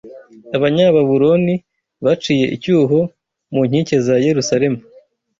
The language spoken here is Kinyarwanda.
Abanyababuloni baciye icyuho mu nkike za Yerusalemu